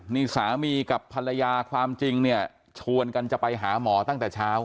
นี่สามีกับภรรยาความจริงเนี่ยชวนกันจะไปหาหมอตั้งแต่เช้า